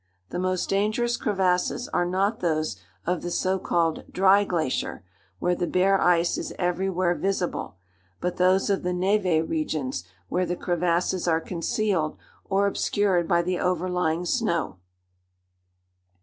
The most dangerous crevasses are not those of the so called "dry glacier," where the bare ice is everywhere visible, but those of the névé regions where the crevasses are concealed, or obscured by the overlying snow.